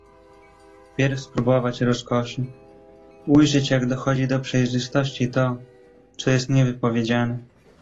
"Wpierw spróbować rozkoszy: ujrzeć jak dochodzi do przejrzystości to, co jest nie wypowiedziane."